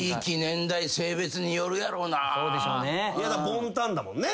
ボンタンだもんね。